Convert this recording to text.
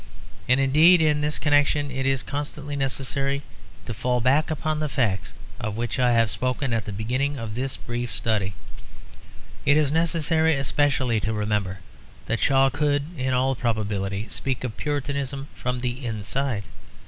And indeed in this connection it is constantly necessary to fall back upon the facts of which I have spoken at the beginning of this brief study; it is necessary especially to remember that Shaw could in all probability speak of Puritanism from the inside.